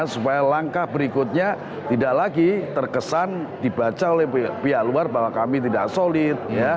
supaya langkah berikutnya tidak lagi terkesan dibaca oleh pihak luar bahwa kami tidak solid